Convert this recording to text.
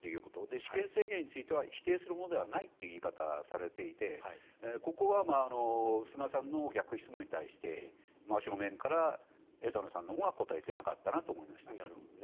私権制限については否定するものではないという言い方をされていてここは菅さんの逆質問に対して真正面から枝野さんのほうが答えていなかったなと思いました。